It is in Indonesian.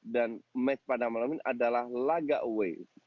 dan match pada malam ini adalah laga away